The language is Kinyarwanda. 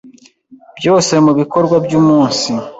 Byose mubikorwa byumunsi.